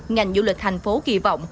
ngành du lịch thành phố kỳ vọng